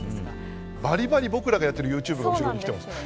バリバリ僕らがやってるＹｏｕＴｕｂｅが後ろに来てます。